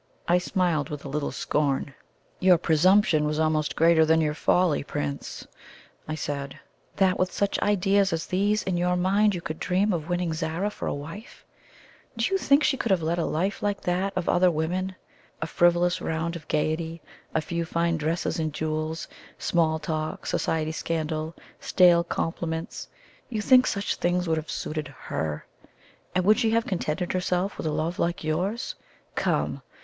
I smiled with a little scorn. "Your presumption was almost greater than your folly, Prince," I said, "that with such ideas as these in your mind you could dream of winning Zara for a wife. Do you think she could have led a life like that of other women? A frivolous round of gaiety, a few fine dresses and jewels, small talk, society scandal, stale compliments you think such things would have suited HER? And would she have contented herself with a love like yours? Come!